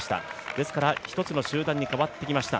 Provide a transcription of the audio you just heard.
ですから一つの集団に変わってきました。